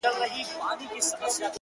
نورو ته مي شا کړې ده تاته مخامخ یمه ـ